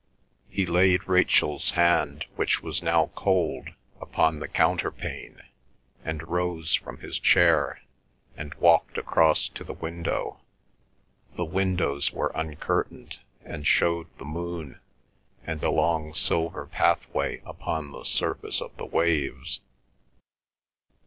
He laid Rachel's hand, which was now cold, upon the counterpane, and rose from his chair, and walked across to the window. The windows were uncurtained, and showed the moon, and a long silver pathway upon the surface of the waves.